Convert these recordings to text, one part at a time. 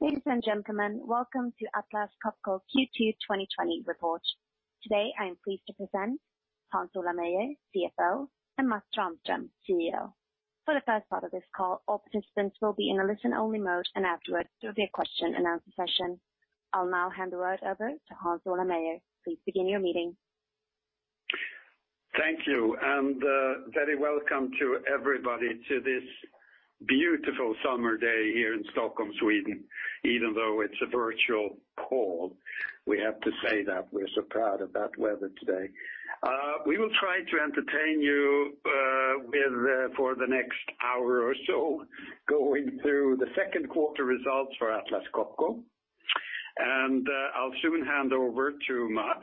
Ladies and gentlemen, welcome to Atlas Copco Q2 2020 report. Today, I am pleased to present Hans Ola Meyer, CFO, and Mats Rahmström, CEO. For the first part of this call, all participants will be in a listen-only mode, and afterwards, there will be a question and answer session. I'll now hand the word over to Hans Ola Meyer. Please begin your meeting. Thank you. A very welcome to everybody to this beautiful summer day here in Stockholm, Sweden. Even though it's a virtual call, we have to say that we're so proud of that weather today. We will try to entertain you for the next hour or so, going through the second quarter results for Atlas Copco. I'll soon hand over to Mats,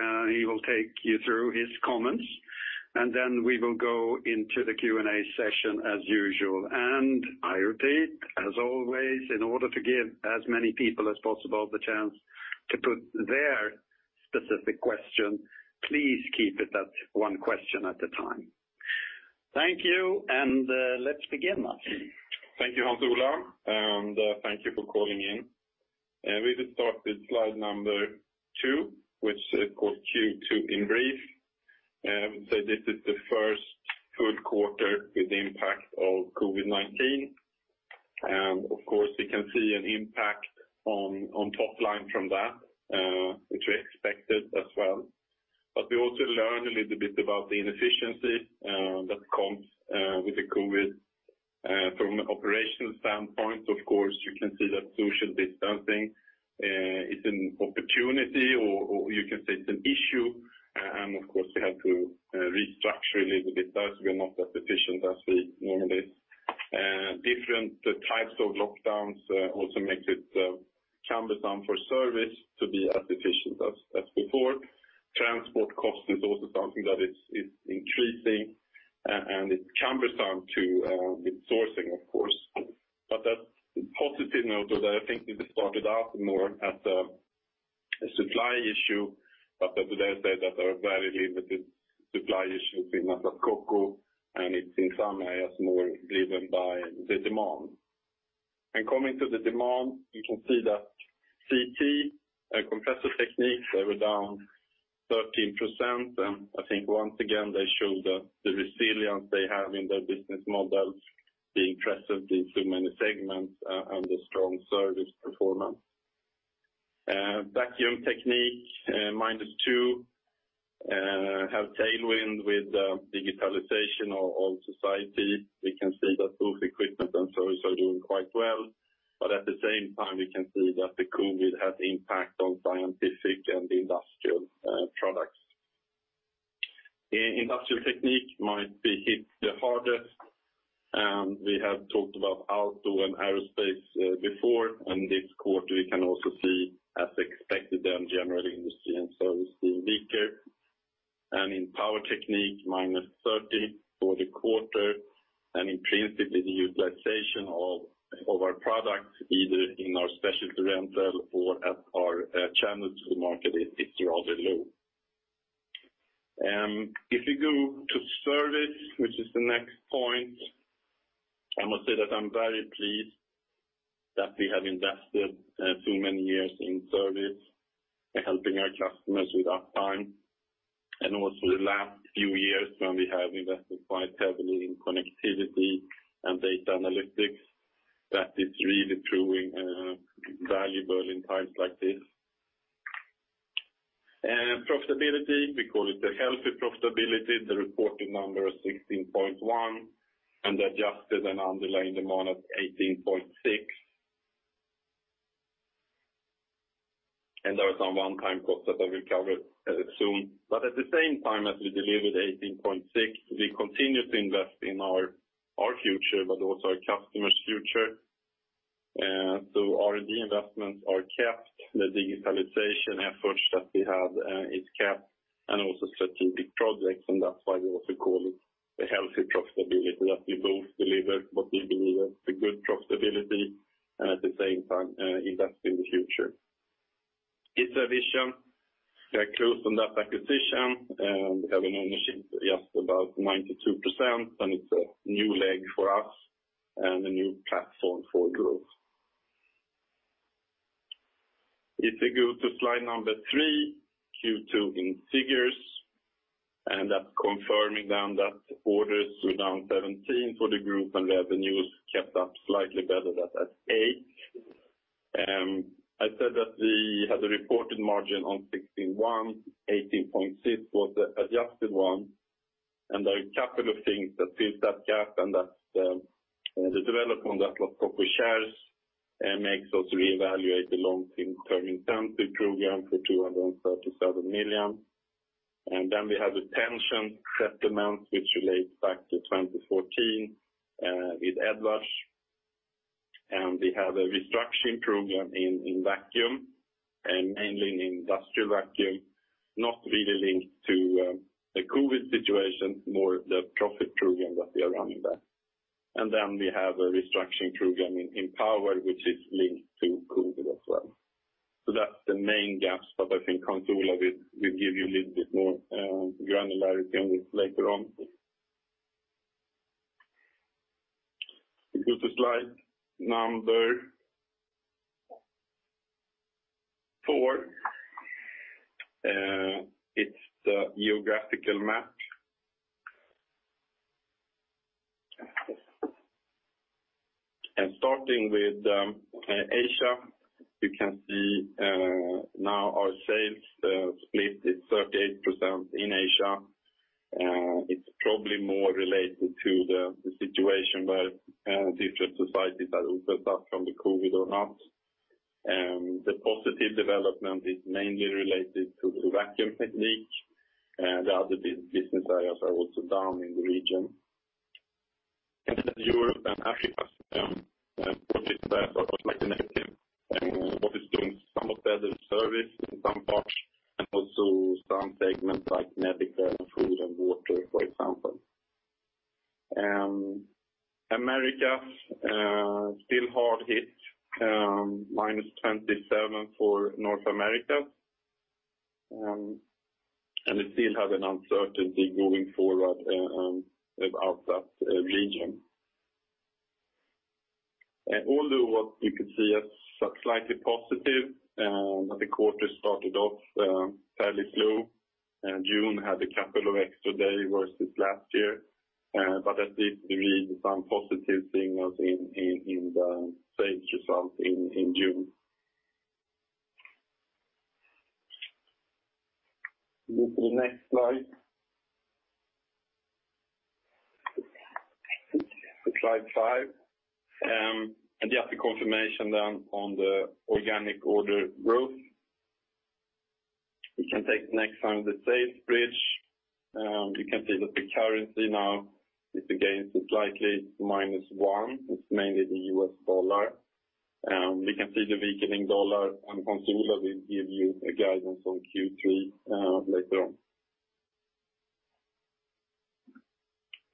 and he will take you through his comments, and then we will go into the Q&A session as usual. I repeat, as always, in order to give as many people as possible the chance to put their specific question, please keep it at one question at a time. Thank you. Let's begin, Mats. Thank you, Hans Ola, thank you for calling in. We will start with slide number two, which is called Q2 in brief. This is the first good quarter with the impact of COVID-19. Of course, we can see an impact on top line from that, which we expected as well. We also learned a little bit about the inefficiency that comes with the COVID. From an operational standpoint, of course, you can see that social distancing, it's an opportunity, or you can say it's an issue. Of course, we have to restructure a little bit thus, we are not as efficient as we normally. Different types of lockdowns also makes it cumbersome for service to be as efficient as before. Transport cost is also something that is increasing, and it's cumbersome with sourcing, of course. That positive note, I think this started out more as a supply issue, as Hans said, that there are very limited supply issues in Atlas Copco, and it's in some areas more driven by the demand. Coming to the demand, you can see that CT, Compressor Technique, they were down 13%. I think once again, they show the resilience they have in their business models, the interest of these too many segments and the strong service performance. Vacuum Technique, minus 2%, have tailwind with digitalization of society. We can see that both equipment and service are doing quite well. At the same time, we can see that the COVID had impact on scientific and industrial products. Industrial Technique might be hit the hardest. We have talked about Auto and aerospace before. This quarter we can also see as expected, General Industry and Service being weaker. In Power Technique, -30% for the quarter, and in principle, the utilization of our products, either in our specialty rental or at our channels to the market is rather low. If you go to Service, which is the next point, I must say that I'm very pleased that we have invested too many years in Service, helping our customers with uptime, and also the last few years when we have invested quite heavily in connectivity and data analytics, that is really proving valuable in times like this. Profitability, we call it the healthy profitability. The reported number is 16.1%, and adjusted, an underlying demand of 18.6%. There are some one-time costs that I will cover soon. At the same time as we delivered 18.6%, we continue to invest in our future, also our customer's future. R&D investments are kept, the digitalization efforts that we have is kept, also strategic projects, that's why we also call it the healthy profitability, that we both deliver what we believe is a good profitability and at the same time invest in the future. It's ISRA VISION. We are close on that acquisition, we have an ownership just above 92%, it's a new leg for us and a new platform for growth. If we go to slide number three, Q2 in figures, that's confirming that orders were down 17% for the group, revenues kept up slightly better than at 8%. I said that we had a reported margin on 16.1%, 18.6% was the adjusted one. There are a couple of things that fills that gap, and that's the development that Atlas Copco shares makes us reevaluate the long-term incentive program for 237 million. We have a pension settlement which relates back to 2014, with Atlas Copco. We have a restructuring program in vacuum, and mainly in industrial vacuum, not really linked to the COVID-19 situation, more of the profit program that we are running there. We have a restructuring program in Power Technique, the main gaps that I think Hans Ola will give you a little bit more granularity on this later on. If you go to slide number four. It's the geographical map. Starting with Asia, we can see now our sales split is 38% in Asia. It's probably more related to the situation where different societies are opened up from the COVID-19 or not. The positive development is mainly related to the Vacuum Technique. The other business areas are also down in the region. In Europe and Africa, what is there? What is doing some of the other service in some parts and also some segments like medical, food, and water, for example. America, still hard hit, -27% for North America. We still have an uncertainty going forward about that region. Although what you could see as slightly positive, the quarter started off fairly slow. June had a couple of extra days versus last year. That did reveal some positive signals in the sales result in June. Go to the next slide. Slide five. Just a confirmation then on the organic order growth. We can take next one, the sales bridge. We can see that the currency now is again slightly -1%. It's mainly the US dollar. We can see the weakening dollar and Hans Ola will give you a guidance on Q3 later on.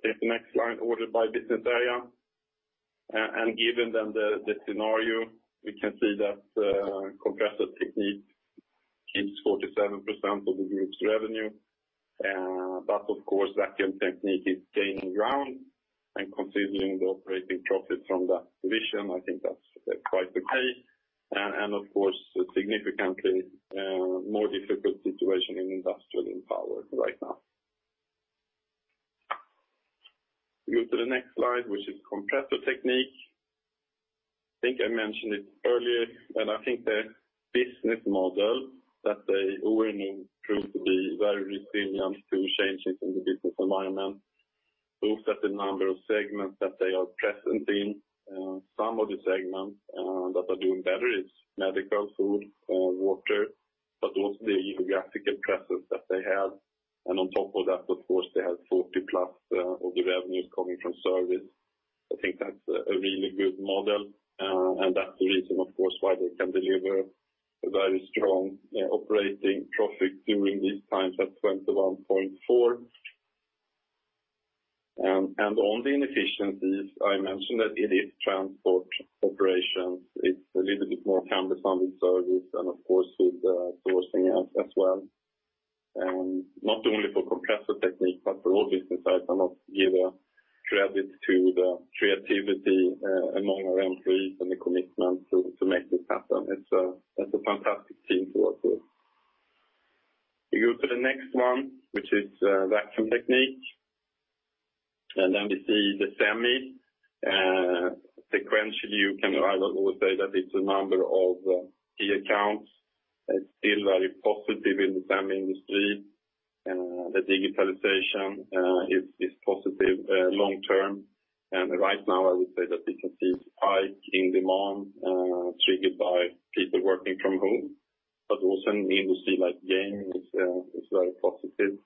Take the next slide, order by business area. Given then the scenario, we can see that the Compressor Technique keeps 47% of the group's revenue. Of course, Vacuum Technique is gaining ground and considering the operating profit from that division, I think that's quite the case. Of course, significantly more difficult situation in Industrial Technique and Power Technique right now. Go to the next slide, which is Compressor Technique. I think I mentioned it earlier, but I think the business model that they owning proves to be very resilient to changes in the business environment. Both at the number of segments that they are present in. Some of the segments that are doing better is medical, food or water, but also the geographical presence that they have. On top of that, of course, they have 40+ of the revenues coming from service. I think that's a really good model. That's the reason, of course, why they can deliver a very strong operating profit during these times at 21.4%. On the inefficiencies, I mentioned that it is transport operations. It's a little bit more cumbersome with service and of course with sourcing as well. Not only for Compressor Technique, but for all business areas. I want to give a credit to the creativity among our employees and the commitment to make this happen. It's a fantastic team to work with. We go to the next one, which is Vacuum Technique. Then we see the semi. Sequentially, I would say that it's a number of key accounts. It's still very positive in the semi industry. The digitalization is positive long term. Right now I would say that we can see a spike in demand triggered by people working from home, but also an industry like gaming is very positive.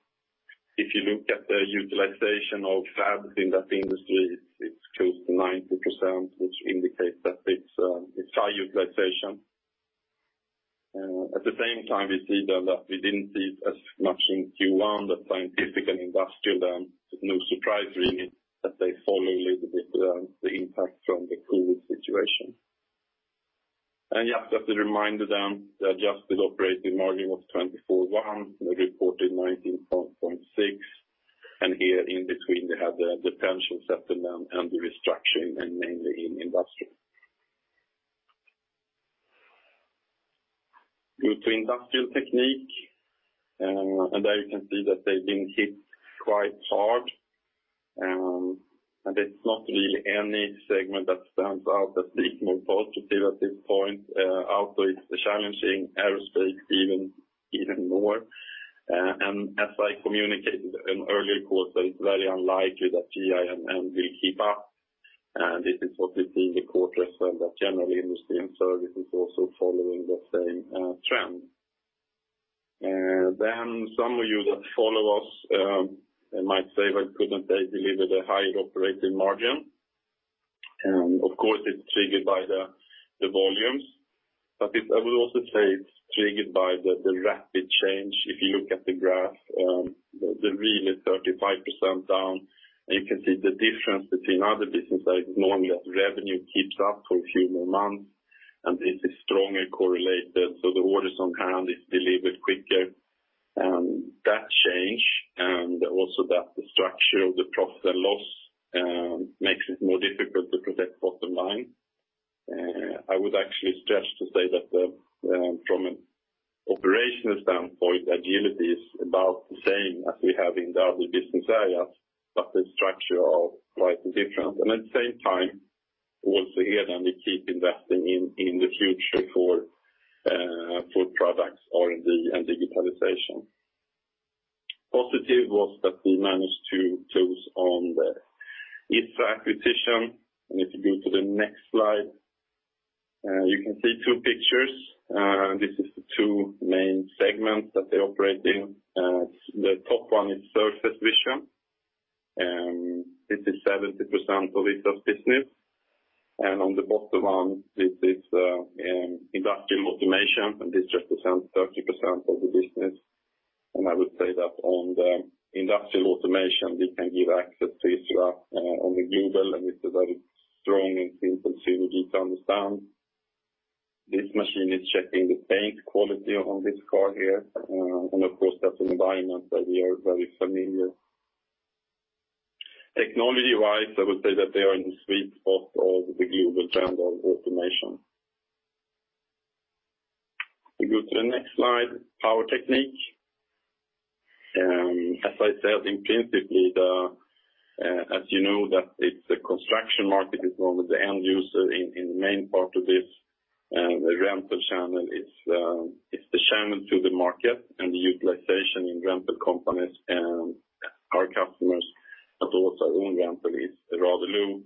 If you look at the utilization of fabs in that industry, it's close to 90%, which indicates that it's high utilization. At the same time, we see then that we didn't see as much in Q1, the scientific and industrial, no surprise really, that they follow a little bit the impact from the COVID-19 situation. Just as a reminder then, the adjusted operating margin was 24.1%, we reported 19.6%, and here in between, we have the pension settlement and the restructuring, and mainly in industrial. Go to Industrial Technique, there you can see that they've been hit quite hard. It's not really any segment that stands out as looking more positive at this point. Auto is challenging, aerospace even more. As I communicated in earlier quarters, it's very unlikely that GI and MV keep up. This is what we see in the quarter as well, that generally industry and service is also following the same trend. Some of you that follow us might say, why couldn't they deliver the higher operating margin? Of course, it's triggered by the volumes. I will also say it's triggered by the rapid change. If you look at the graph, the real is 35% down, and you can see the difference between other business areas. Normally that revenue keeps up for a few more months, and this is strongly correlated. The orders on hand is delivered quicker, and that change, and also that the structure of the profit and loss makes it more difficult to protect bottom line. I would actually stretch to say that from an operational standpoint, agility is about the same as we have in the other business areas, but the structure are quite different. At the same time, also here, we keep investing in the future for products, R&D, and digitalization. Positive was that we managed to close on the ISRA acquisition. If you go to the next slide, you can see two pictures. This is the two main segments that they operate in. The top one is Surface Vision. This is 70% of ISRA's business. On the bottom one, this is Industrial Automation. This represents 30% of the business. I would say that on the Industrial Automation, we can give access to ISRA on the global. It's a very strong and simple synergy to understand. This machine is checking the paint quality on this car here, and of course, that's an environment that we are very familiar. Technology-wise, I would say that they are in the sweet spot of the global trend of automation. We go to the next slide, Power Technique. As I said, intrinsically, as you know that it's the construction market is one of the end user in the main part of this. The rental channel is the channel to the market and the utilization in rental companies and our customers, but also our own rental is rather low.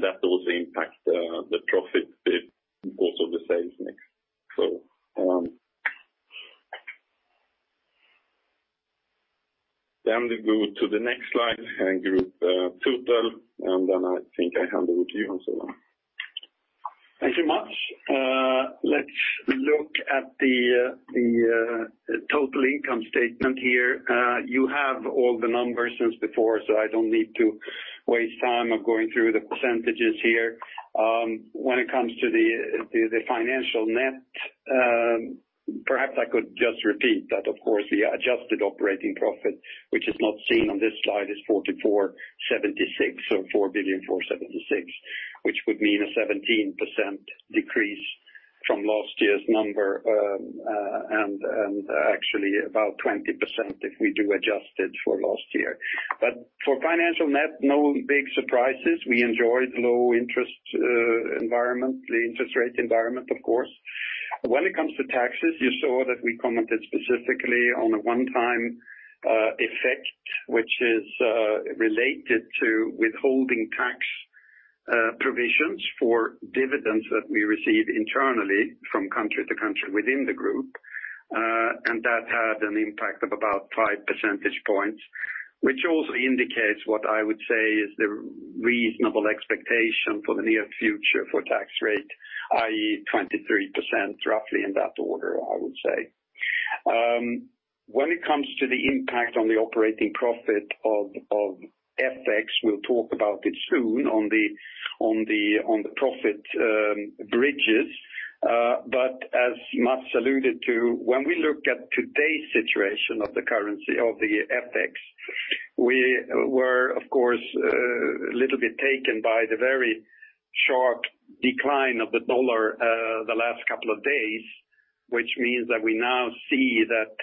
That also impacts the profit bit, also the sales mix. Then we go to the next slide and group total, then I think I hand over to you, Hans Ola. Thank you much. Let's look at the total income statement here. You have all the numbers since before, so I don't need to waste time of going through the % here. When it comes to the financial net, perhaps I could just repeat that, of course, the adjusted operating profit, which is not seen on this slide, is 4,476, so 4,476 billion, which would mean a 17% decrease from last year's number, and actually about 20% if we do adjust it for last year. For financial net, no big surprises. We enjoyed low interest environment, the interest rate environment, of course. When it comes to taxes, you saw that we commented specifically on a one-time effect, which is related to withholding tax provisions for dividends that we receive internally from country to country within the group. That had an impact of about five percentage points, which also indicates what I would say is the reasonable expectation for the near future for tax rate, i.e., 23%, roughly in that order, I would say. When it comes to the impact on the operating profit of FX, we'll talk about it soon on the profit bridges. As Mats alluded to, when we look at today's situation of the currency of the FX, we were, of course, a little bit taken by the very sharp decline of the dollar the last couple of days, which means that we now see that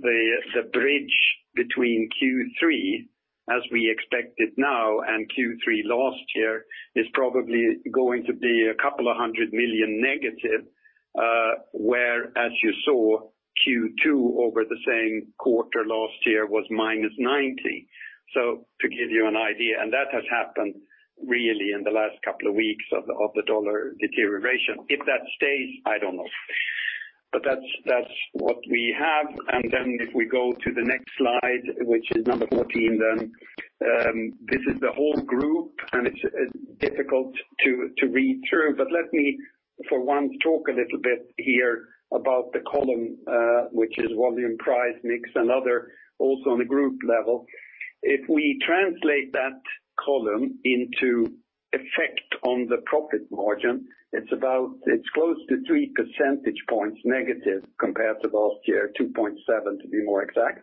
the bridge between Q3, as we expect it now, and Q3 last year, is probably going to be a SEK couple of hundred million negative, where as you saw Q2 over the same quarter last year was minus 90. To give you an idea, and that has happened really in the last couple of weeks of the dollar deterioration. If that stays, I don't know. That's what we have. If we go to the next slide, which is number 14, this is the whole group, and it's difficult to read through. Let me for once talk a little bit here about the column, which is volume price mix and other also on the group level. If we translate that column into effect on the profit margin, it's close to three percentage points negative compared to last year, 2.7 to be more exact.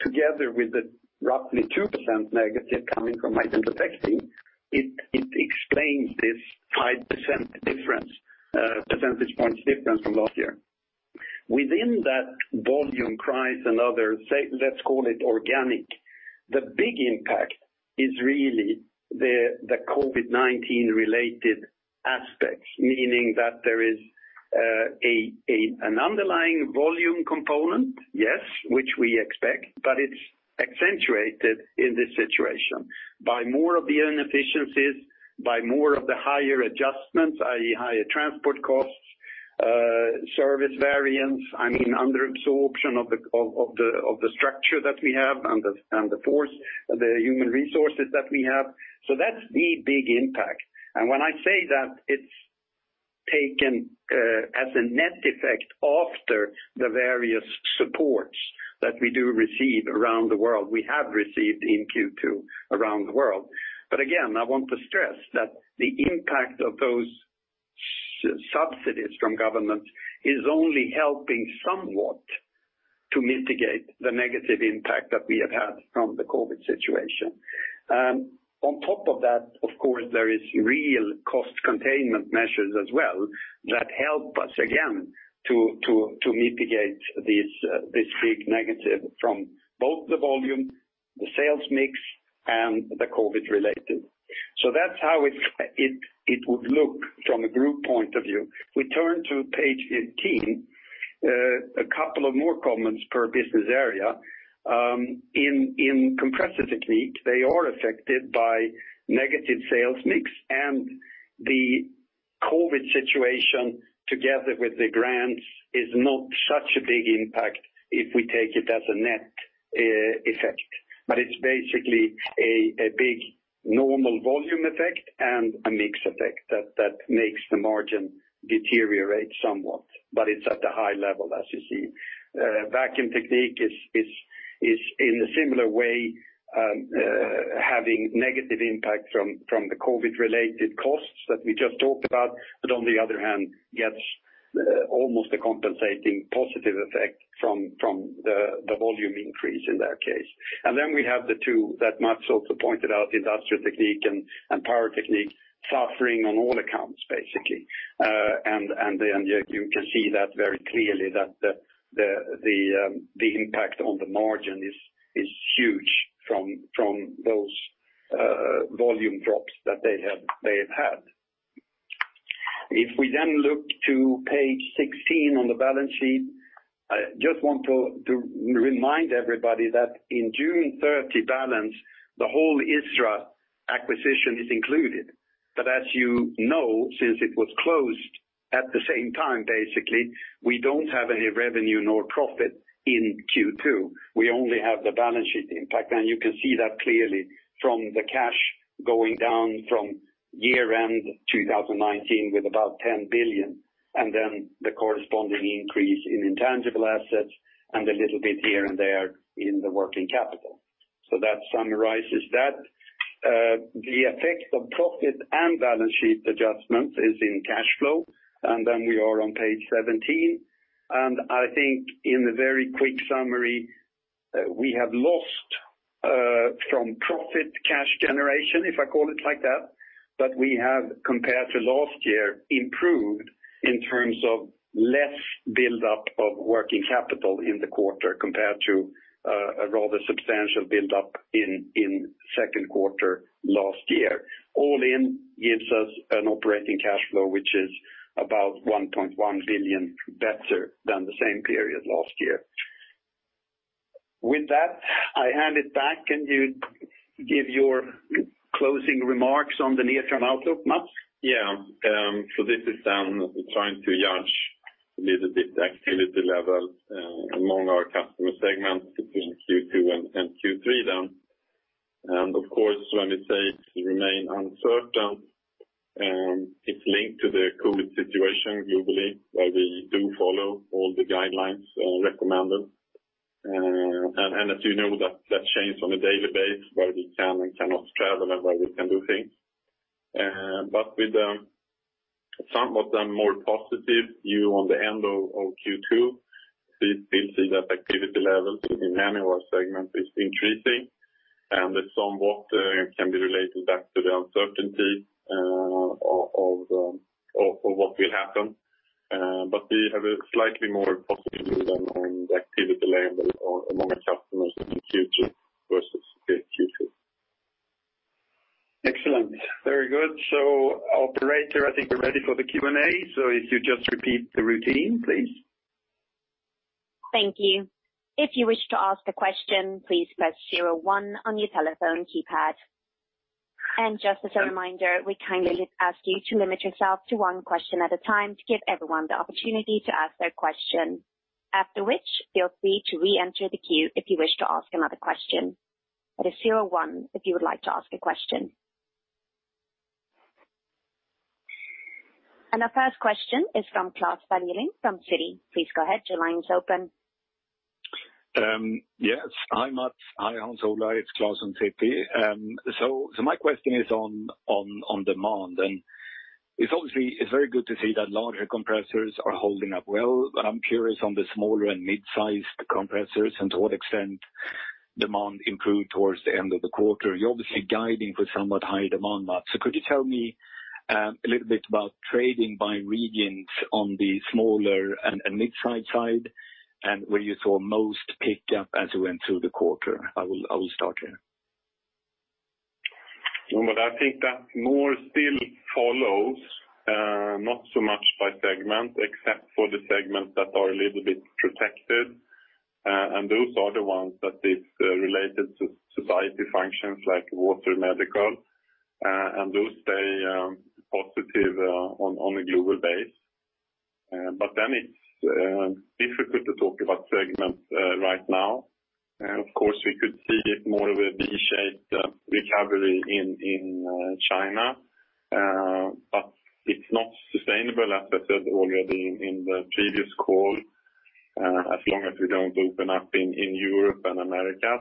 Together with the roughly 2% negative coming from items affecting, it explains this 5% difference, percentage points difference from last year. Within that volume price and others, let's call it organic, the big impact is really the COVID-19 related aspects, meaning that there is an underlying volume component, yes, which we expect, but it's accentuated in this situation by more of the inefficiencies, by more of the higher adjustments, i.e., higher transport costs, service variance, under absorption of the structure that we have and the force, the human resources that we have. That's the big impact. When I say that, it's taken as a net effect after the various supports that we do receive around the world, we have received in Q2 around the world. Again, I want to stress that the impact of those subsidies from government is only helping somewhat to mitigate the negative impact that we have had from the COVID situation. On top of that, of course, there is real cost containment measures as well that help us, again, to mitigate this big negative from both the volume, the sales mix, and the COVID related. That's how it would look from a group point of view. If we turn to page 18, a couple of more comments per business area. In Compressor Technique, they are affected by negative sales mix and the COVID situation together with the grants is not such a big impact if we take it as a net effect. It's basically a big normal volume effect and a mix effect that makes the margin deteriorate somewhat. It's at a high level, as you see. Vacuum Technique is in a similar way having negative impact from the COVID-19 related costs that we just talked about, but on the other hand, gets almost a compensating positive effect from the volume increase in that case. Then we have the two that Mats also pointed out, Industrial Technique and Power Technique suffering on all accounts, basically. You can see that very clearly that the impact on the margin is huge from those volume drops that they have had. If we then look to page 16 on the balance sheet, I just want to remind everybody that in June 30 balance, the whole ISRA VISION acquisition is included. As you know, since it was closed at the same time, basically, we don't have any revenue nor profit in Q2. We only have the balance sheet impact, and you can see that clearly from the cash going down from year-end 2019 with about 10 billion, and then the corresponding increase in intangible assets, and a little bit here and there in the working capital. That summarizes that. The effect of profit and balance sheet adjustments is in cash flow. Then we are on page 17. I think in a very quick summary, we have lost from profit cash generation, if I call it like that, but we have, compared to last year, improved in terms of less build-up of working capital in the quarter compared to a rather substantial build-up in second quarter last year. All in gives us an operating cash flow, which is about 1.1 billion better than the same period last year. With that, I hand it back, and you give your closing remarks on the near-term outlook, Mats? This is trying to judge a little bit the activity level among our customer segments between Q2 and Q3 then. Of course, when we say it remain uncertain, it's linked to the COVID-19 situation globally, where we do follow all the guidelines recommended. As you know, that change on a daily basis where we can and cannot travel and where we can do things. With some of them more positive view on the end of Q2, we've seen that activity levels in manual segment is increasing, and that somewhat can be related back to the uncertainty of what will happen. We have a slightly more positive view then on the activity level among our customers in Q2 versus Q2. Excellent. Very good. Operator, I think we're ready for the Q&A. If you just repeat the routine, please. Thank you. If you wish to ask a question, please press 01 on your telephone keypad. Just as a reminder, we kindly ask you to limit yourself to one question at a time to give everyone the opportunity to ask their question. After which, feel free to reenter the queue if you wish to ask another question. It is 01 if you would like to ask a question. Our first question is from Klas Bergelind from Citi. Please go ahead. Your line is open. Yes. Hi, Mats. Hi, Hans Ola. It's Klas from Citi. My question is on demand, and it's very good to see that larger compressors are holding up well, but I'm curious on the smaller and mid-sized compressors and to what extent demand improved towards the end of the quarter. You're obviously guiding for somewhat high demand, Mats. Could you tell me a little bit about trading by regions on the smaller and mid-sized side, and where you saw most pickup as you went through the quarter? I will start here. Well, I think that more still follows, not so much by segment, except for the segments that are a little bit protected. Those are the ones that is related to society functions like water and medical, and those stay positive on a global base. It's difficult to talk about segments right now. Of course, we could see it more of a V-shaped recovery in China, it's not sustainable, as I said already in the previous call, as long as we don't open up in Europe and America.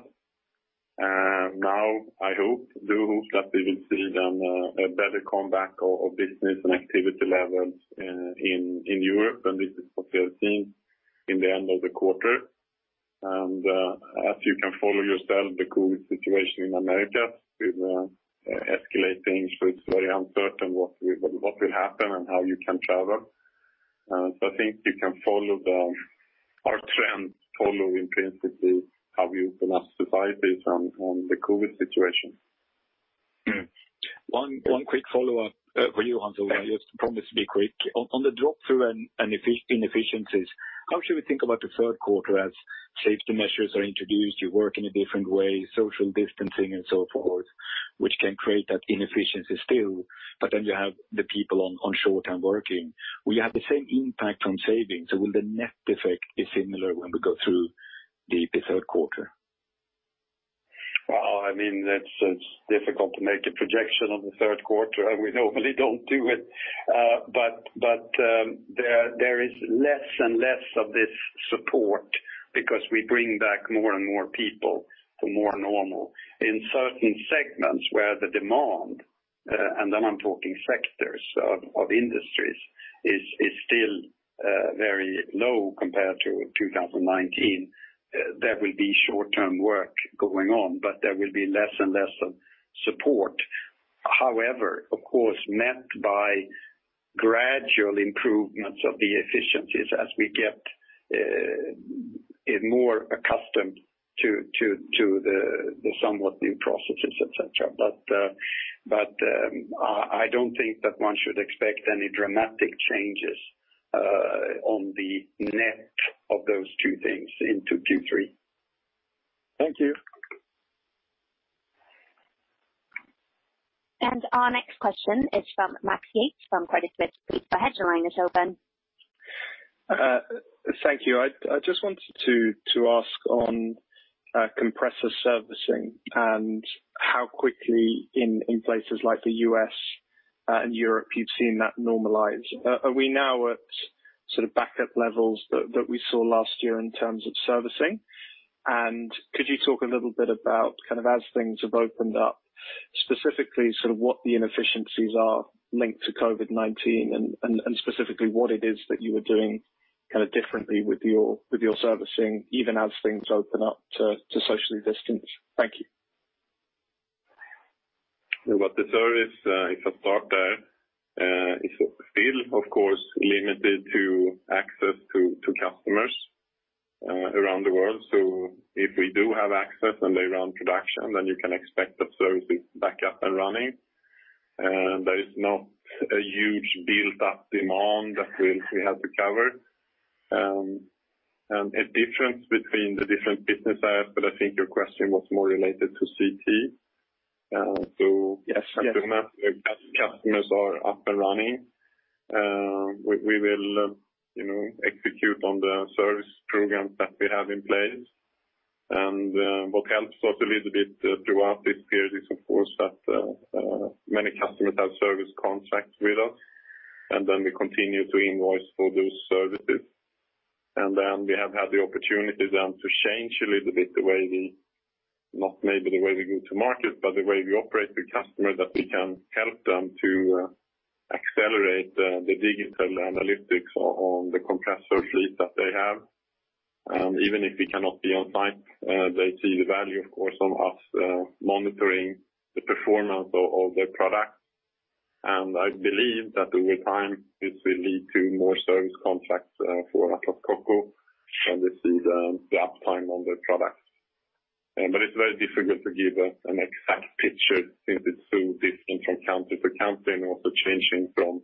I do hope that we will see then a better comeback of business and activity levels in Europe, and this is what we have seen in the end of the quarter. As you can follow yourself, the COVID-19 situation in America is escalating, so it's very uncertain what will happen and how you can travel. I think you can follow our trends, follow in principle how we cannot survive this on the COVID situation. One quick follow-up for you, Hans Ola. I just promise to be quick. On the drop through in efficiencies, how should we think about the third quarter as safety measures are introduced, you work in a different way, social distancing and so forth, which can create that inefficiency still? You have the people on short-term working. Will you have the same impact on savings, or will the net effect be similar when we go through the third quarter? Well, it's difficult to make a projection on the third quarter, and we normally don't do it. There is less and less of this support because we bring back more and more people to more normal. In certain segments where the demand, and then I'm talking sectors of industries, is still very low compared to 2019, there will be short-term work going on, but there will be less and less of support. Of course, met by gradual improvements of the efficiencies as we get more accustomed to the somewhat new processes, et cetera. I don't think that one should expect any dramatic changes on the net of those two things into Q3. Thank you. Our next question is from Max Yates from Credit Suisse. Please go ahead, your line is open. Thank you. I just wanted to ask on compressor servicing and how quickly in places like the U.S. and Europe you've seen that normalize. Are we now at sort of backup levels that we saw last year in terms of servicing? Could you talk a little bit about, kind of as things have opened up, specifically what the inefficiencies are linked to COVID-19 and specifically what it is that you are doing differently with your servicing, even as things open up to socially distance? Thank you. Well, the service, if I start there, is still, of course, limited to access to customers around the world. If we do have access and they run production, then you can expect the service is back up and running. There is not a huge built-up demand that we have to cover. A difference between the different business areas, I think your question was more related to CT. Yes. As customers are up and running, we will execute on the service programs that we have in place. What helps us a little bit throughout this period is, of course, that many customers have service contracts with us, and then we continue to invoice for those services. We have had the opportunity then to change a little bit the way we, not maybe the way we go to market, but the way we operate with customers, that we can help them to accelerate the digital analytics on the compressor fleet that they have. Even if we cannot be on site, they see the value, of course, of us monitoring the performance of their product. I believe that over time, this will lead to more service contracts for Atlas Copco, and we see the uptime on their products. It's very difficult to give an exact picture since it's so different from country to country and also changing from,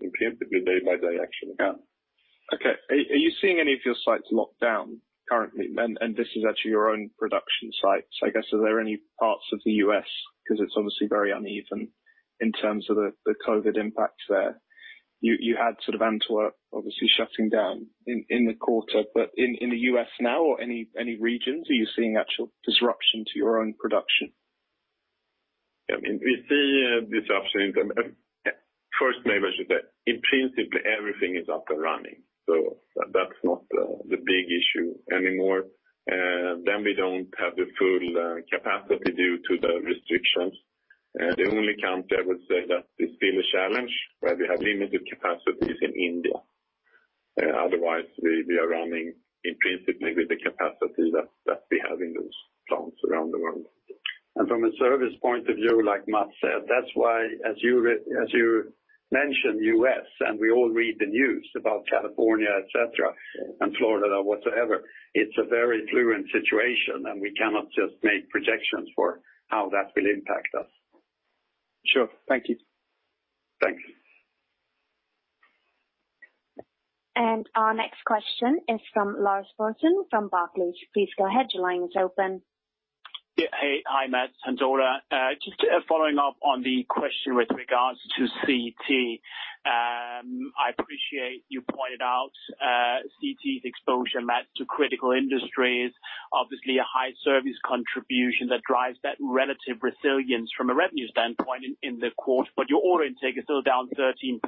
in principle, day by day actually. Yeah. Okay. Are you seeing any of your sites locked down currently? This is actually your own production sites, I guess are there any parts of the U.S., because it's obviously very uneven in terms of the COVID impact there. You had sort of Antwerp obviously shutting down in the quarter, in the U.S. now or any regions, are you seeing actual disruption to your own production? We see disruption in them. First, may I say that in principle, everything is up and running. That's not the big issue anymore. We don't have the full capacity due to the restrictions. The only country I would say that it's been a challenge, where we have limited capacities in India. Otherwise, we are running in principle with the capacity that we have in those plants around the world. From a service point of view, like Mats said, that's why as you mentioned U.S., and we all read the news about California, et cetera, and Florida whatsoever. It's a very fluent situation, and we cannot just make projections for how that will impact us. Sure. Thank you. Thanks. Our next question is from Lars Forsén from Barclays. Please go ahead, your line is open. Yeah. Hey. Hi, Mats and Ola. Just following up on the question with regards to CT. I appreciate you pointed out CT's exposure, Mats, to critical industries. Obviously, a high service contribution that drives that relative resilience from a revenue standpoint in the quarter, but your order intake is still down 13%.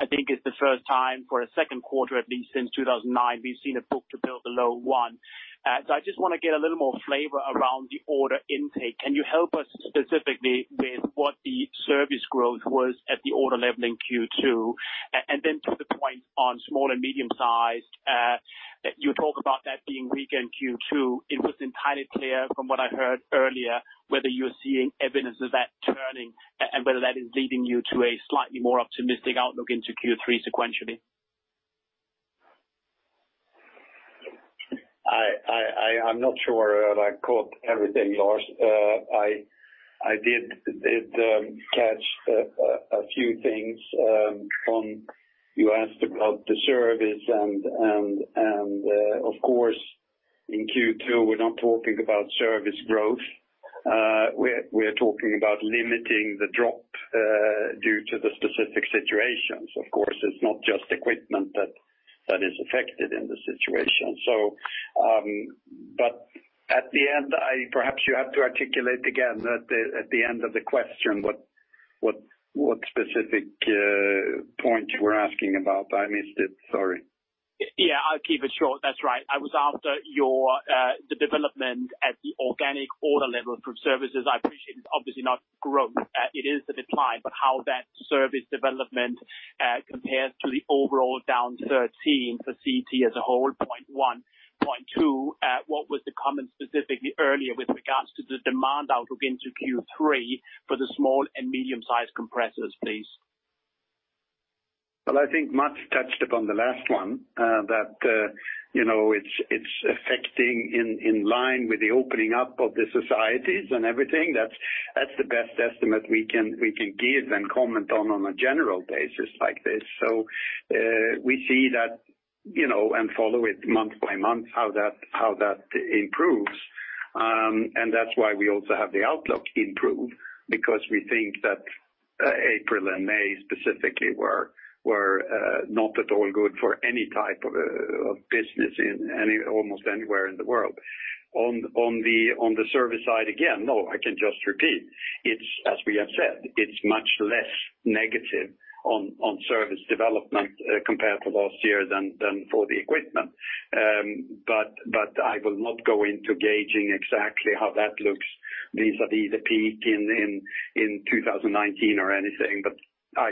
I think it's the first time for a second quarter, at least since 2009, we've seen a book-to-bill below one. I just want to get a little more flavor around the order intake. Can you help us specifically with what the service growth was at the order level in Q2? Then to the point on small and medium-sized, that you talk about that being weak in Q2, it wasn't entirely clear from what I heard earlier whether you are seeing evidence of that turning and whether that is leading you to a slightly more optimistic outlook into Q3 sequentially. I'm not sure that I caught everything, Lars. I did catch a few things. You asked about the service and, of course, in Q2, we're not talking about service growth. We're talking about limiting the drop due to the specific situations. Of course, it's not just equipment that is affected in this situation. At the end, perhaps you have to articulate again at the end of the question what specific point you were asking about. I missed it. Sorry. Yeah, I'll keep it short. That's right. I was after the development at the organic order level from services. I appreciate it's obviously not growth, it is a decline, but how that service development compares to the overall down 13 for CT as a whole, point one. Point two, what was the comment specifically earlier with regards to the demand outlook into Q3 for the small and medium-sized compressors, please? Well, I think Mats touched upon the last one, that it's affecting in line with the opening up of the societies and everything. That's the best estimate we can give and comment on a general basis like this. We see that, and follow it month by month, how that improves. That's why we also have the outlook improve, because we think that April and May specifically were not at all good for any type of business in any, almost anywhere in the world. On the service side, again, no, I can just repeat. As we have said, it's much less negative on service development compared to last year than for the equipment. I will not go into gauging exactly how that looks vis-a-vis the peak in 2019 or anything.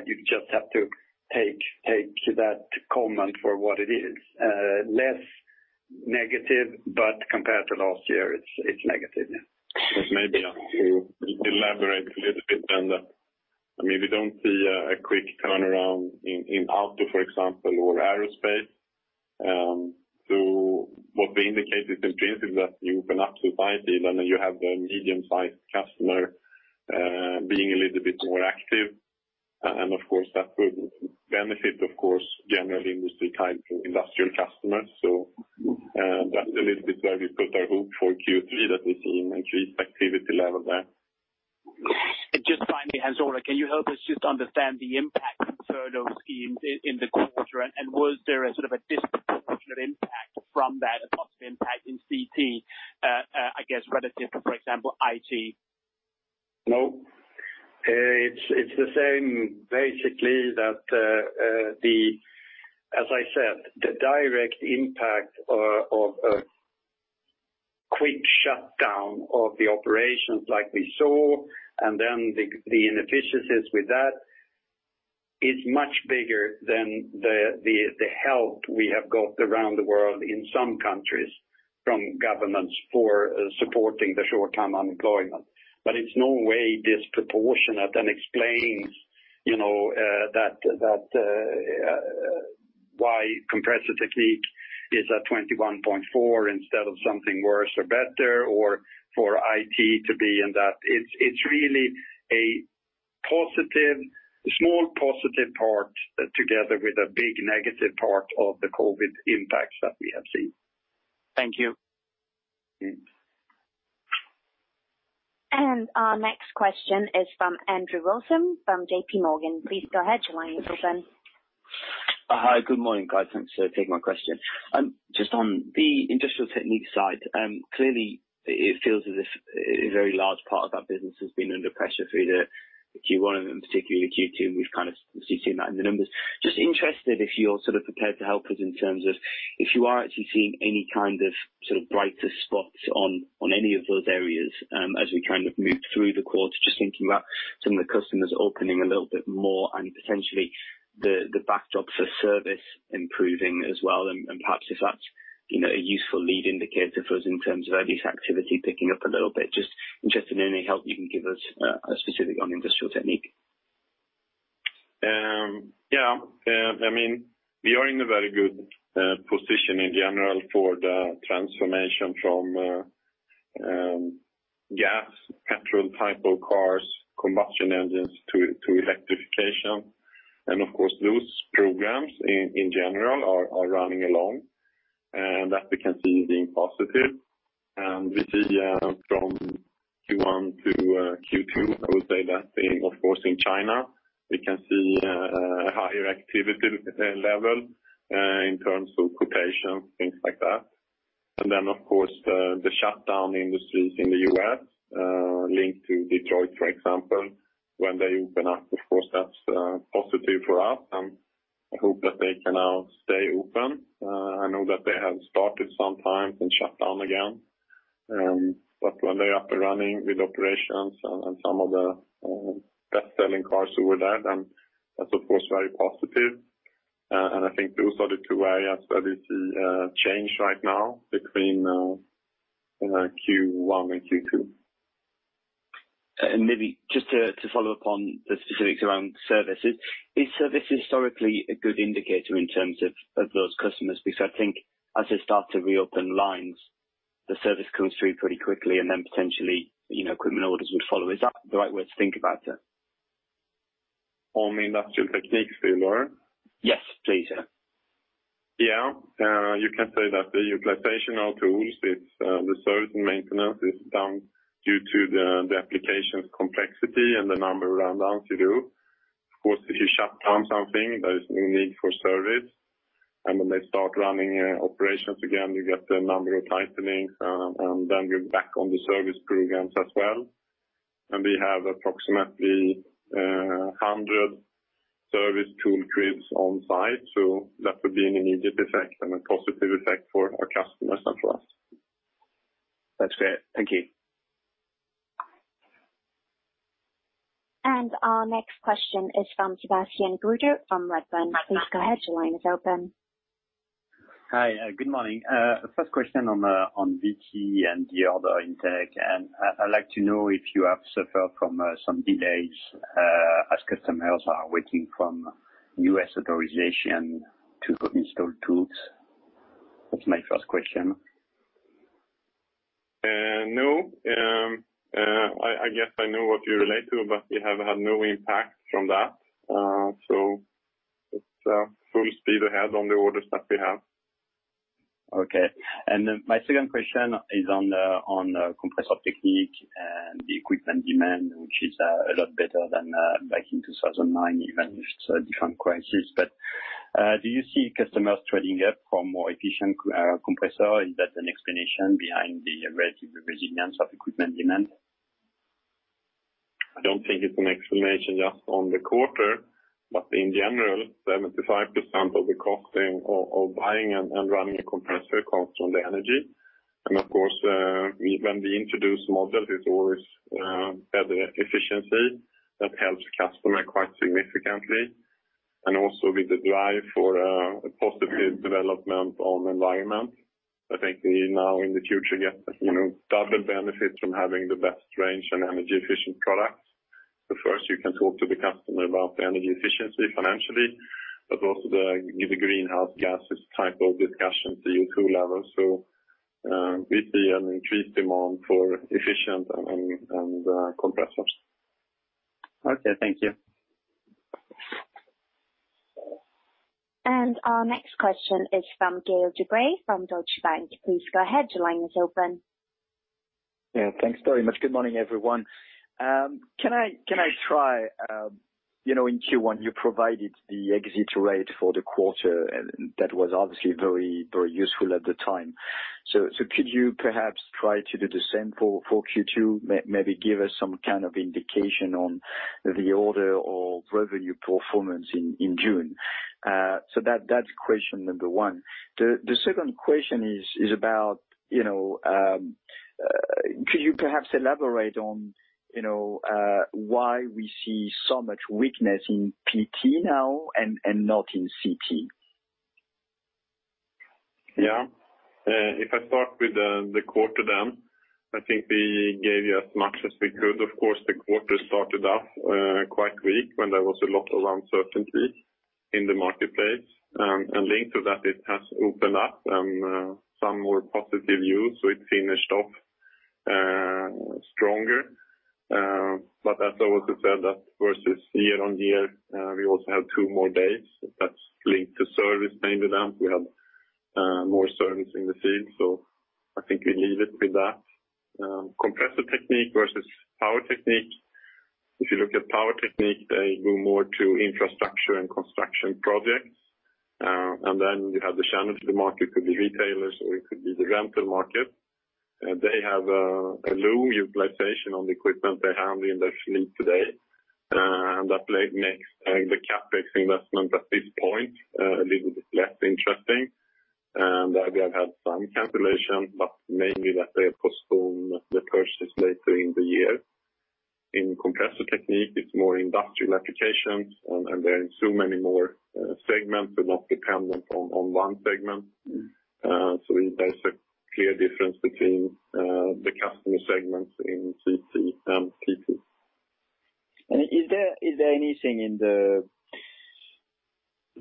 You just have to take that comment for what it is. Less negative, but compared to last year it's negative, yeah. Maybe to elaborate a little bit on that. We don't see a quick turnaround in auto, for example, or aerospace. What we indicate is in principle that you open up societies, you have the medium-sized customer being a little bit more active. Of course, that will benefit, of course, general industry type industrial customers. That's a little bit where we put our hope for Q3, that we see increased activity level there. Just finally, Hans Ola, can you help us just understand the impact of furlough schemes in the quarter, and was there a disproportionate impact from that, a positive impact in CT, I guess, relative to, for example, IT? No. It's the same basically that, as I said, the direct impact of a quick shutdown of the operations like we saw and then the inefficiencies with that is much bigger than the help we have got around the world in some countries from governments for supporting the short-term unemployment. It's in no way disproportionate and explains why Compressor Technique is at 21.4 instead of something worse or better. It's really a small positive part together with a big negative part of the COVID impacts that we have seen. Thank you. Our next question is from Andrew Wilson from JP Morgan. Please go ahead. Your line is open. Hi. Good morning, guys. Thanks for taking my question. On the Industrial Technique side, clearly it feels as if a very large part of that business has been under pressure through the Q1 and particularly Q2, and we've kind of seen that in the numbers. Interested if you're prepared to help us in terms of if you are actually seeing any kind of brighter spots on any of those areas as we move through the quarter, just thinking about some of the customers opening a little bit more and potentially the backdrop for service improving as well, and perhaps if that's a useful lead indicator for us in terms of at least activity picking up a little bit. Interested in any help you can give us specifically on Industrial Technique. We are in a very good position in general for the transformation from gas-natural type of cars, combustion engines to electrification. Of course, those programs in general are running along, and that we can see being positive. We see from Q1 to Q2, I would say that being of course, in China, we can see a higher activity level in terms of quotation, things like that. Then of course, the shutdown industries in the U.S., linked to Detroit, for example, when they open up, of course, that's positive for us. I hope that they can now stay open. I know that they have started sometimes and shut down again. When they are up and running with operations and some of the best-selling cars over there, then that's of course, very positive. I think those are the two areas where we see a change right now between Q1 and Q2. Maybe just to follow up on the specifics around services, is service historically a good indicator in terms of those customers? I think as they start to reopen lines, the service comes through pretty quickly and then potentially, equipment orders would follow. Is that the right way to think about it? On Industrial Technique, you mean? Yes, please. Yeah. You can say that the utilization of tools with the service and maintenance is down due to the application's complexity and the number of rundowns you do. Of course, if you shut down something that is unique for service, and when they start running operations again, you get the number of tightenings, and then we're back on the service programs as well. We have approximately 100 service tool crews on site, so that would be an immediate effect and a positive effect for our customers and for us. That's great. Thank you. Our next question is from Sebastian Guder from Redburn. Please go ahead. Your line is open. Hi. Good morning. First question on VT and the other in tech, and I'd like to know if you have suffered from some delays, as customers are waiting from U.S. authorization to install tools. That's my first question. No. I guess I know what you relate to, but we have had no impact from that. It's full speed ahead on the orders that we have. Okay. My second question is on Compressor Technique and the equipment demand, which is a lot better than back in 2009, even if it's a different crisis. Do you see customers trading up for more efficient compressor? Is that an explanation behind the resilience of equipment demand? I don't think it's an explanation just on the quarter, but in general, 75% of the costing of buying and running a compressor comes from the energy. Of course, when we introduce models, it's always better efficiency that helps customer quite significantly. Also with the drive for a positive development on environment. I think we now in the future get double benefit from having the best range and energy efficient products. First, you can talk to the customer about the energy efficiency financially, but also the greenhouse gases type of discussion, the CO2 level. We see an increased demand for efficient and compressors. Okay. Thank you. Our next question is from Gael de Bray from Deutsche Bank. Please go ahead. Your line is open. Yeah. Thanks very much. Good morning, everyone. Can I try, in Q1, you provided the exit rate for the quarter, and that was obviously very useful at the time. Could you perhaps try to do the same for Q2? Maybe give us some kind of indication on the order or revenue performance in June. That's question number 1. The second question is about, could you perhaps elaborate on why we see so much weakness in PT now and not in CT? If I start with the quarter then, I think we gave you as much as we could. Of course, the quarter started off quite weak when there was a lot of uncertainty in the marketplace. Linked to that, it has opened up, some more positive views, so it finished off stronger. As I also said, that versus year on year, we also have two more days. That's linked to service, mainly down. We have more service in the field, so I think we leave it with that. Compressor Technique versus Power Technique. If you look at Power Technique, they go more to infrastructure and construction projects. Then you have the channels to the market, could be retailers or it could be the rental market. They have a low utilization on the equipment they have in their fleet today. That makes the CapEx investment at this point, a little bit less interesting. we have had some cancellation, but mainly that they postpone the purchase later in the year. In Compressor Technique, it's more industrial applications, and they're in so many more segments, we're not dependent on one segment. there's a clear difference between the customer segments in CT and PT. Is there anything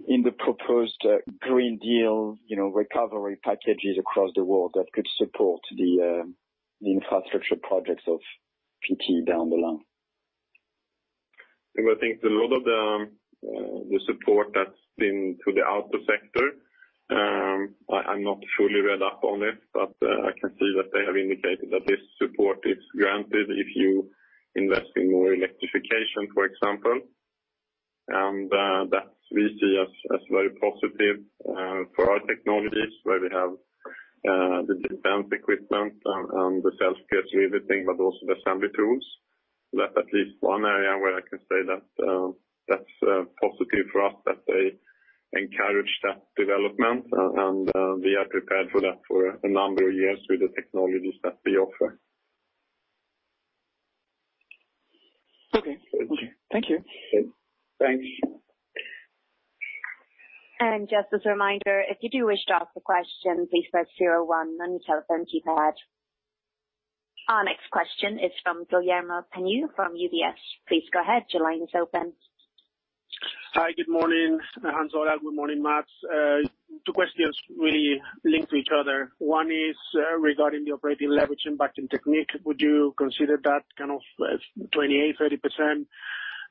in the proposed Green Deal recovery packages across the world that could support the infrastructure projects of PT down the line? I think a lot of the support that's been to the auto sector, I'm not fully read up on it, but I can see that they have indicated that this support is granted if you invest in more electrification, for example. That we see as very positive for our technologies, where we have the defense equipment and the self-pierce riveting, but also the assembly tools. That at least one area where I can say that's positive for us that they encourage that development, and we are prepared for that for a number of years with the technologies that we offer. Okay. Thank you. Thanks. Just as a reminder, if you do wish to ask a question, please press zero one on your telephone keypad. Our next question is from Guillermo Peigneux from UBS. Please go ahead. Your line is open. Hi, good morning, Hans Ola. Good morning, Mats. Two questions really linked to each other. One is regarding the operating leverage impact in technique. Would you consider that kind of 28%-30%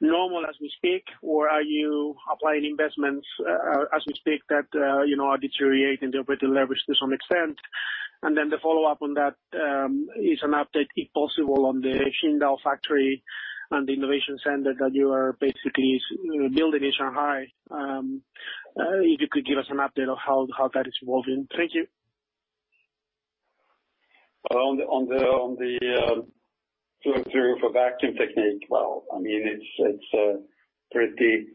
normal as we speak, or are you applying investments as we speak that are deteriorating the operating leverage to some extent? The follow-up on that is an update, if possible, on the Qingdao factory and the innovation center that you are basically building in Shanghai. If you could give us an update on how that is evolving. Thank you. On the flow through for Vacuum Technique. Well, it's pretty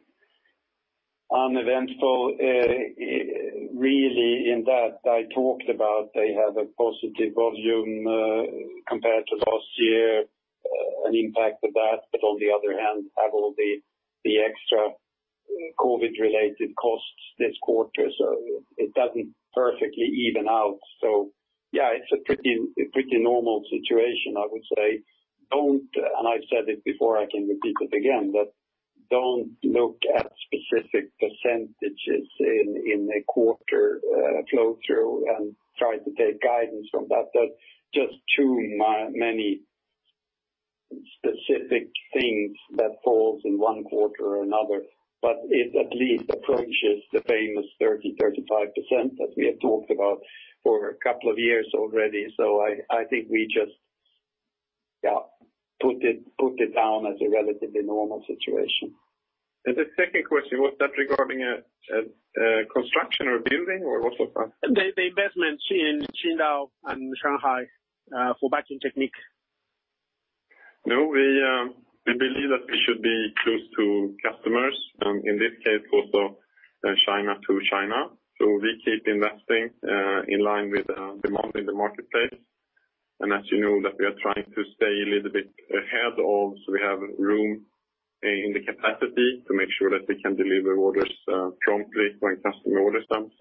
uneventful, really, in that I talked about they have a positive volume compared to last year, an impact of that. On the other hand, have all the extra COVID-19 related costs this quarter. It doesn't perfectly even out. Yeah, it's a pretty normal situation, I would say. Don't, and I've said it before, I can repeat it again, but don't look at specific percentages in a quarter flow through and try to take guidance from that. That's just too many specific things that falls in one quarter or another. It at least approaches the famous 30%-35% that we have talked about for a couple of years already. I think we just put it down as a relatively normal situation. The second question, was that regarding a construction or building, or what was that? The investment in Qingdao and Shanghai for Vacuum Technique. No, we believe that we should be close to customers, in this case also China to China. We keep investing in line with demand in the marketplace. As you know that we are trying to stay a little bit ahead of, so we have room in the capacity to make sure that we can deliver orders promptly when customer orders them.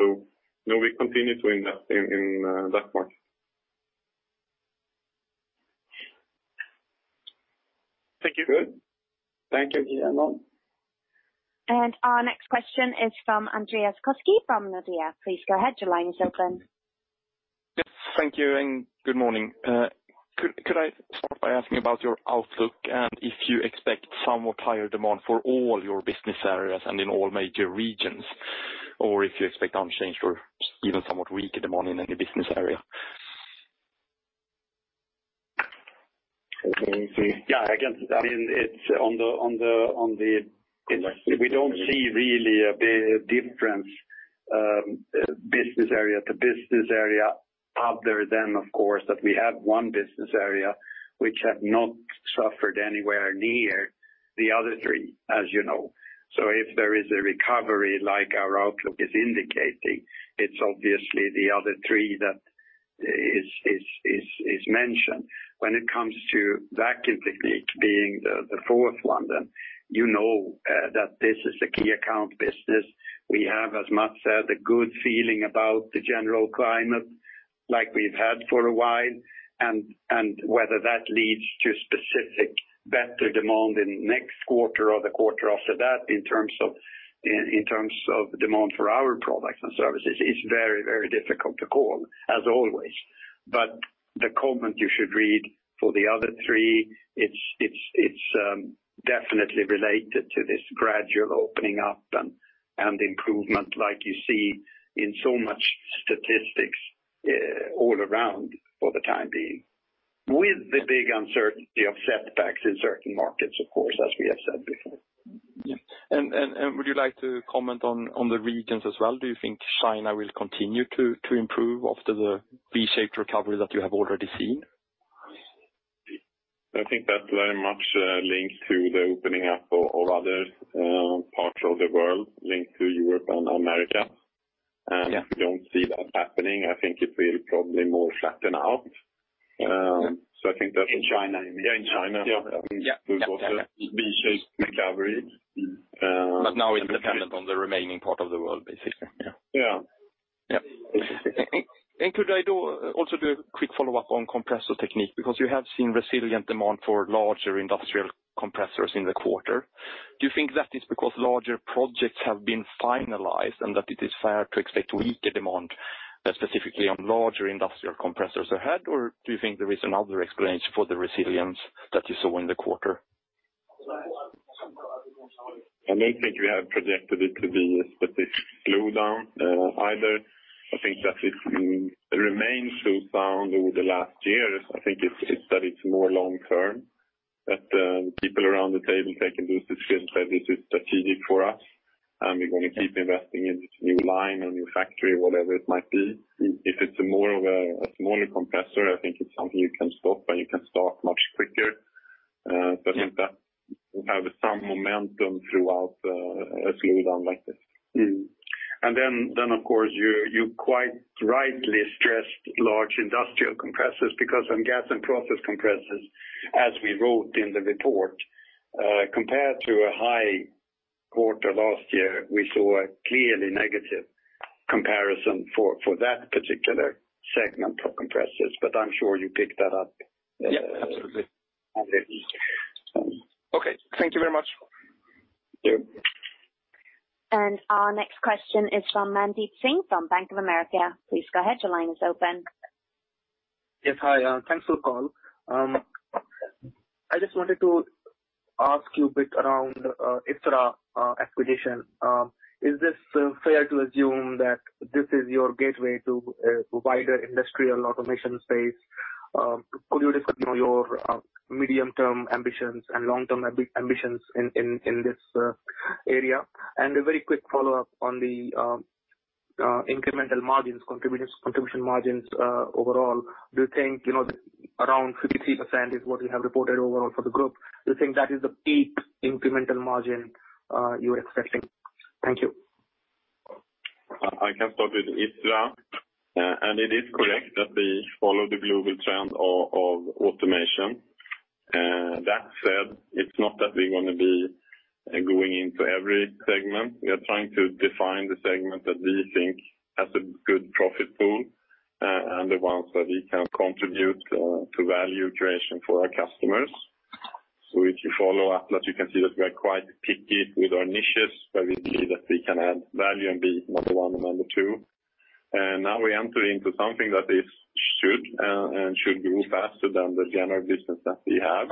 No, we continue to invest in that market. Thank you. Good. Thank you, Guillermo. Our next question is from Andreas Koski from Nordea. Please go ahead. Your line is open. Yes. Thank you. Good morning. Could I start by asking about your outlook and if you expect somewhat higher demand for all your business areas and in all major regions, or if you expect unchanged or even somewhat weak demand in any business area? I can start. We don't see really a big difference business area to business area, other than, of course, that we have one business area which had not suffered anywhere near the other three, as you know. If there is a recovery like our outlook is indicating, it's obviously the other three that is mentioned. When it comes to Vacuum Technique being the fourth one, you know that this is a key account business. We have, as Mats said, a good feeling about the general climate, like we've had for a while, whether that leads to specific better demand in next quarter or the quarter after that, in terms of demand for our products and services, it's very, very difficult to call, as always. The comment you should read for the other three, it's definitely related to this gradual opening up and improvement like you see in so much statistics all around for the time being, with the big uncertainty of setbacks in certain markets, of course, as we have said before. Yeah. Would you like to comment on the regions as well? Do you think China will continue to improve after the V-shaped recovery that you have already seen? I think that very much links to the opening up of other parts of the world, linked to Europe and America. Yeah. If we don't see that happening, I think it will probably more flatten out. In China you mean? Yeah, in China. Yeah. There was a V-shaped recovery. Now it's dependent on the remaining part of the world. Yeah. Yeah. Could I also do a quick follow-up on Compressor Technique? You have seen resilient demand for larger industrial compressors in the quarter. Do you think that is because larger projects have been finalized and that it is fair to expect weaker demand, specifically on larger industrial compressors ahead? Do you think there is another explanation for the resilience that you saw in the quarter? I don't think we have projected it to be a specific slowdown, either. I think that it remains so sound over the last years. I think it's that it's more long-term, that people around the table taking this decision say, "This is strategic for us, and we're going to keep investing in this new line, a new factory," whatever it might be. If it's more of a smaller compressor, I think it's something you can stop and you can start much quicker. I think that we have some momentum throughout a slowdown like this. Of course, you quite rightly stressed large industrial compressors because on Gas and Process compressors, as we wrote in the report, compared to a high quarter last year, we saw a clearly negative comparison for that particular segment of compressors. I'm sure you picked that up. Yeah, absolutely. Underneath. Okay. Thank you very much. Yeah. Our next question is from Mandeep Singh from Bank of America. Please go ahead. Your line is open. Yes. Hi. Thanks for the call. I just wanted to ask you a bit around ISRA acquisition. Is this fair to assume that this is your gateway to a wider industrial automation space? Could you discuss your medium-term ambitions and long-term ambitions in this area? A very quick follow-up on the incremental margins, contribution margins, overall, do you think, around 53% is what you have reported overall for the Group, do you think that is the peak incremental margin you're expecting? Thank you. I can start with ISRA. It is correct that we follow the global trend of automation. That said, it's not that we want to be going into every segment. We are trying to define the segment that we think has a good profit pool, and the ones that we can contribute to value creation for our customers. If you follow Atlas, you can see that we are quite picky with our niches where we see that we can add value and be number one or number two. Now we enter into something that should grow faster than the general business that we have.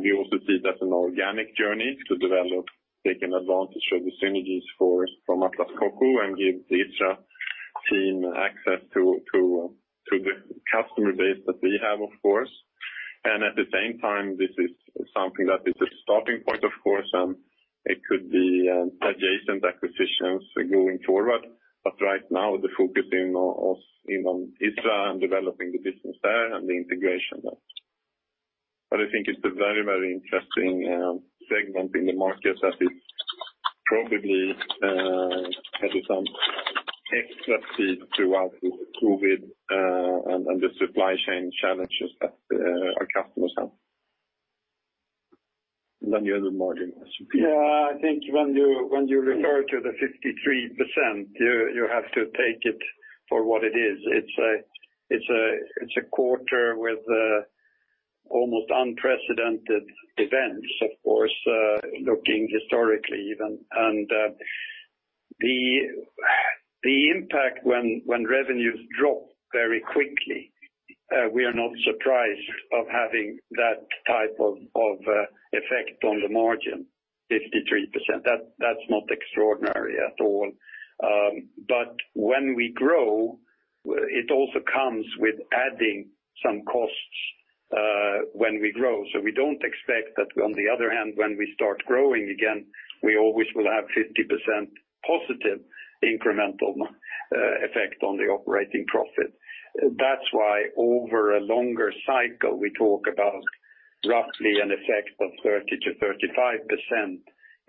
We also see that an organic journey to develop, taking advantage of the synergies from Atlas Copco and give the ISRA team access to the customer base that we have, of course. At the same time, this is something that is a starting point, of course, and it could be adjacent acquisitions going forward. Right now, the focus in on ISRA and developing the business there and the integration there. I think it's a very interesting segment in the market that is probably having some extra speed throughout the COVID and the supply chain challenges that our customers have. The other margin, Peter. Yeah, I think when you refer to the 53%, you have to take it for what it is. It's a quarter with almost unprecedented events, of course, looking historically even. The impact when revenues drop very quickly, we are not surprised of having that type of effect on the margin, 53%. That's not extraordinary at all. When we grow, it also comes with adding some costs when we grow. We don't expect that on the other hand, when we start growing again, we always will have 50% positive incremental effect on the operating profit. That's why over a longer cycle, we talk about roughly an effect of 30%-35%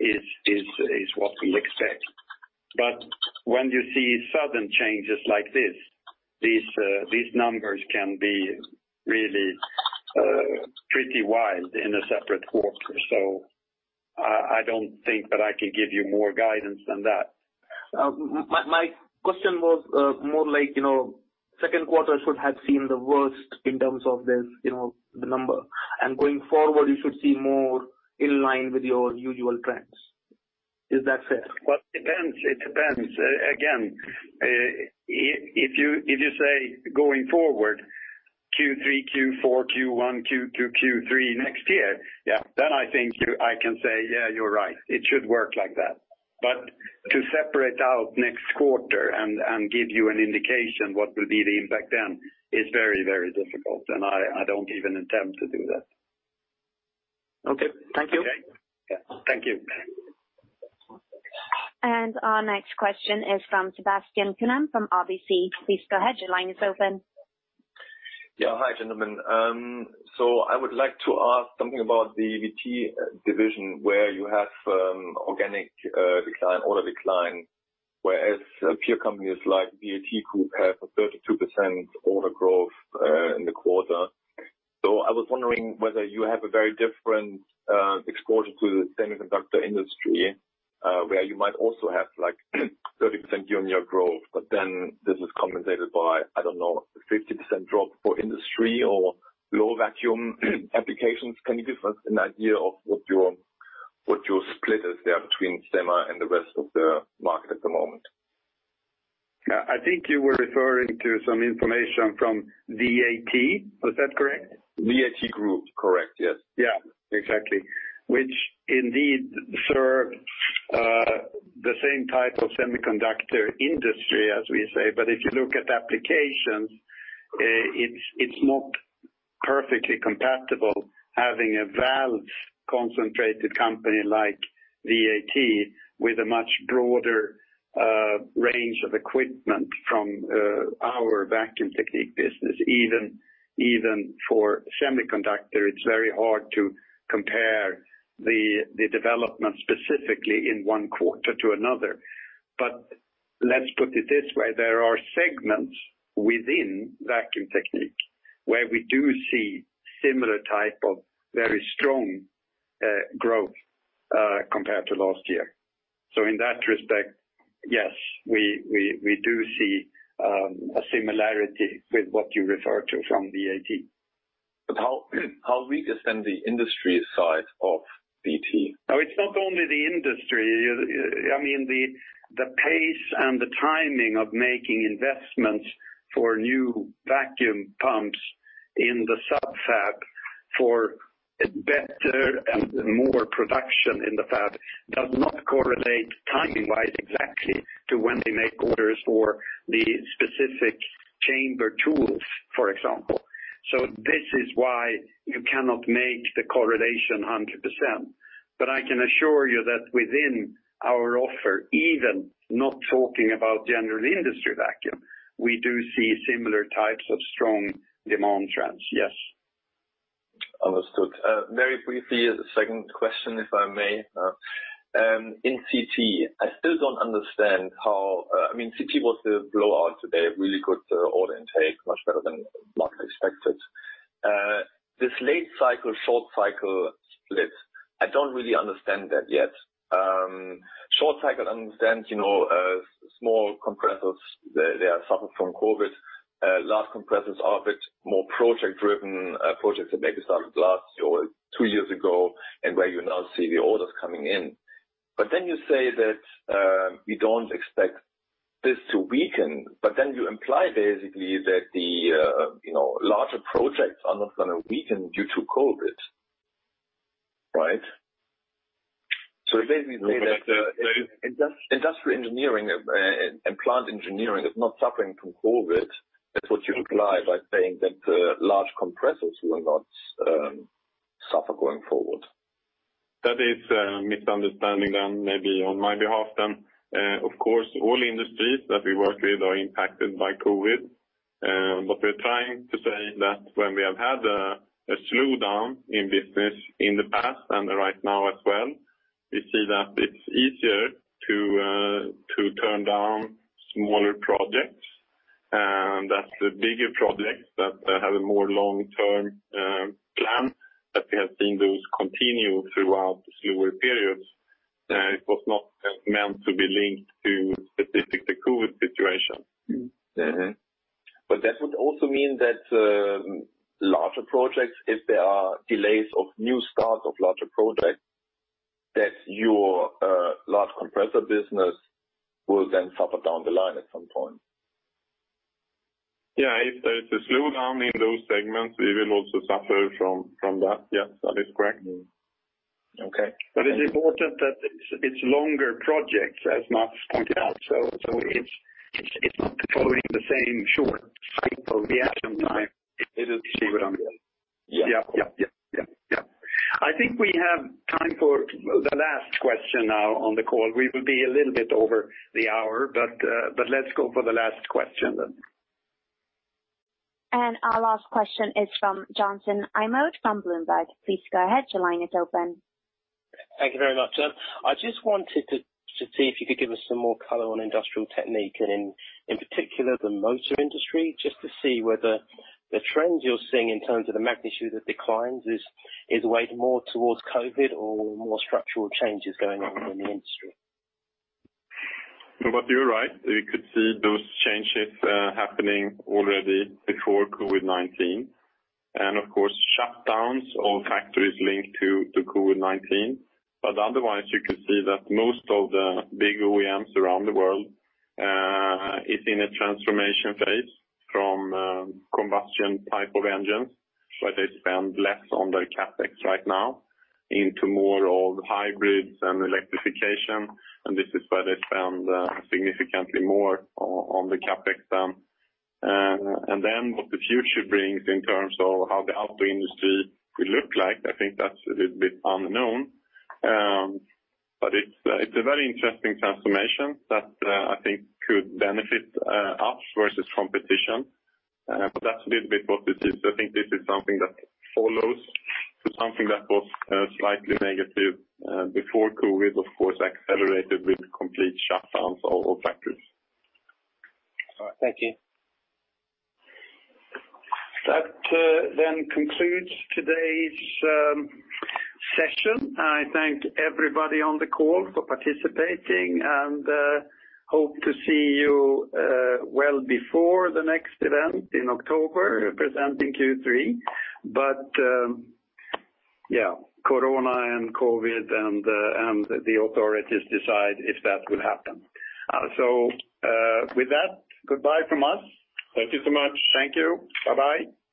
is what we expect. When you see sudden changes like this, these numbers can be really pretty wide in a separate quarter. I don't think that I can give you more guidance than that. My question was more like, second quarter should have seen the worst in terms of the number, and going forward, you should see more in line with your usual trends. Is that fair? Well, it depends. Again, if you say going forward, Q3, Q4, Q1, Q2, Q3 next year, yeah, I think I can say, yeah, you're right. It should work like that. To separate out next quarter and give you an indication what will be the impact then is very difficult, and I don't even attempt to do that. Okay. Thank you. Okay? Yeah. Thank you. Our next question is from Sebastian Kuenne from RBC. Please go ahead. Your line is open. Yeah. Hi, gentlemen. I would like to ask something about the VT division where you have organic decline, order decline, whereas peer companies like VAT Group have a 32% order growth in the quarter. I was wondering whether you have a very different exposure to the semiconductor industry, where you might also have 30% year-on-year growth, but then this is compensated by, I don't know, a 50% drop for industry or low vacuum applications. Can you give us an idea of what your split is there between semi and the rest of the market at the moment? I think you were referring to some information from VAT. Was that correct? VAT Group. Correct, yes. Yeah, exactly. Which indeed serves the same type of semiconductor industry, as we say. If you look at applications, it's not perfectly compatible having a valve-concentrated company like VAT with a much broader range of equipment from our Vacuum Technique business. Even for semiconductor, it's very hard to compare the development specifically in one quarter to another. Let's put it this way, there are segments within Vacuum Technique where we do see similar type of very strong growth compared to last year. In that respect, yes, we do see a similarity with what you refer to from VAT. How weak is then the industry side of VT? It's not only the industry. The pace and the timing of making investments for new vacuum pumps in the sub-fab for better and more production in the fab does not correlate timing-wise exactly to when they make orders for the specific chamber tools, for example. This is why you cannot make the correlation 100%. I can assure you that within our offer, even not talking about general industry vacuum, we do see similar types of strong demand trends, yes. Understood. Very briefly, as a second question, if I may. In CT, I still don't understand how CT was a blowout today, really good order intake, much better than the market expected. This late cycle, short cycle split, I don't really understand that yet. Short cycle, I understand, small compressors, they have suffered from COVID. Large compressors of it, more project-driven, projects that maybe started last year or two years ago, and where you now see the orders coming in. You say that you don't expect this to weaken, but then you imply basically that the larger projects are not going to weaken due to COVID, right? Basically that industrial engineering and plant engineering is not suffering from COVID, that's what you imply by saying that large compressors will not suffer going forward. That is a misunderstanding then maybe on my behalf then. Of course, all industries that we work with are impacted by COVID. What we're trying to say is that when we have had a slowdown in business in the past and right now as well, we see that it's easier to turn down smaller projects. That the bigger projects that have a more long-term plan, that we have seen those continue throughout the slower periods. It was not meant to be linked to specifically the COVID situation. That would also mean that larger projects, if there are delays of new starts of larger projects, that your large compressor business will then suffer down the line at some point. Yeah, if there's a slowdown in those segments, we will also suffer from that. Yes, that is correct. Okay. It's important that it's longer projects, as Mats pointed out, so it's not following the same short cycle we had in time. It isn't. You see what I'm getting at? Yeah. Yeah. I think we have time for the last question now on the call. We will be a little bit over the hour, but let's go for the last question then. Our last question is from Johnson Imode from Bloomberg. Please go ahead. Your line is open. Thank you very much. I just wanted to see if you could give us some more color on Industrial Technique and in particular the motor industry, just to see whether the trends you're seeing in terms of the magnitude of declines is weighted more towards COVID-19 or more structural changes going on in the industry. You're right. We could see those changes happening already before COVID-19. Of course, shutdowns of factories linked to COVID-19. Otherwise, you could see that most of the big OEMs around the world, is in a transformation phase from combustion type of engines, so they spend less on their CapEx right now, into more of hybrids and electrification, and this is where they spend significantly more on the CapEx. What the future brings in terms of how the auto industry will look like, I think that's a little bit unknown. It's a very interesting transformation that I think could benefit us versus competition. That's a little bit what this is. I think this is something that follows to something that was slightly negative before COVID-19, of course, accelerated with complete shutdowns of all factories. All right. Thank you. That concludes today's session. I thank everybody on the call for participating and hope to see you well before the next event in October presenting Q3. Yeah, corona and COVID and the authorities decide if that will happen. With that, goodbye from us. Thank you so much. Thank you. Bye-bye.